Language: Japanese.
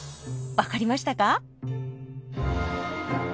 分かりましたか？